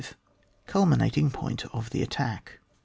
CULMINATING POINT OF THE ATTACK.